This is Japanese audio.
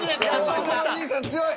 華丸兄さん強い。